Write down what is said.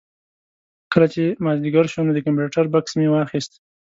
کله چې مازدیګر شو نو د کمپیوټر بکس مې واخېست.